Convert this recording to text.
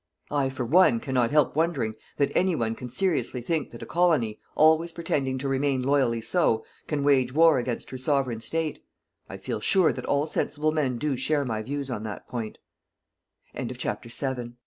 I, for one, cannot help wondering that any one can seriously think that a colony, always pretending to remain loyally so, can wage war against her Sovereign State. I feel sure that all sensible men do share my views on that point. CHAPTER VIII. GERMAN ILLUSIONS.